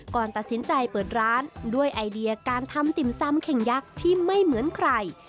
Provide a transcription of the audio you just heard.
ก่อนตัดสินใจเปิดร้านด้วยไอเดียการทำติ่มซำเข่งยักษ์ที่ไม่เหมือนใคร